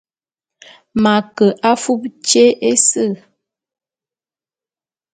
M'a ke afub tyé ése.